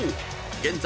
［現在